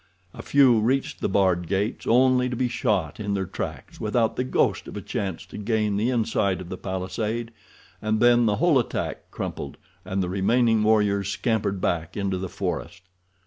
A few reached the barred gates, only to be shot in their tracks, without the ghost of a chance to gain the inside of the palisade, and then the whole attack crumpled, and the remaining warriors scampered back into the forest.